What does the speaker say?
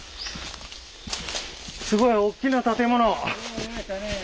すごいおっきな建物。